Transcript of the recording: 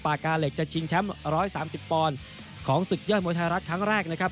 กาเหล็กจะชิงแชมป์๑๓๐ปอนด์ของศึกยอดมวยไทยรัฐครั้งแรกนะครับ